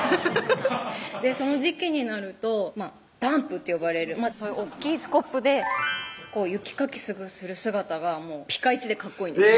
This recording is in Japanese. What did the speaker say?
その時季になるとダンプって呼ばれる大っきいスコップで雪かきする姿がピカイチでかっこいいんです